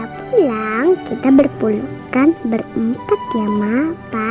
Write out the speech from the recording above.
kalau mama udah pulang kita berpuluhkan berempat ya ma pa